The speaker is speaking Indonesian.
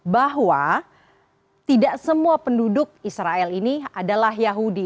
bahwa tidak semua penduduk israel ini adalah yahudi